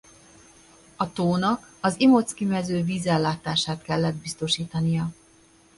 A tónak az Imotski-mező vízellátását kellett biztosítania.